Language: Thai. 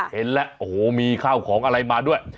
เห็นแล้วโอ้โหมีข้าวของอะไรมาด้วย